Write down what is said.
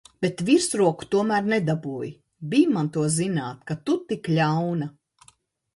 Bet virsroku tomēr nedabūji. Bij man to zināt, ka tu tik ļauna!